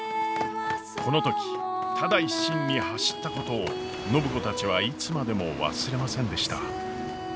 この時ただ一心に走ったことを暢子たちはいつまでも忘れませんでした。